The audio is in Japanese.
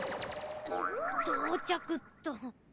到着っと。